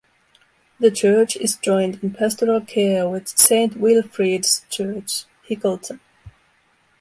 The church is joined in pastoral care with Saint Wilfrid's Church, Hickleton.